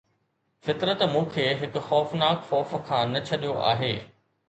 فطرت مون کي هڪ خوفناڪ خوف کان نه ڇڏيو آهي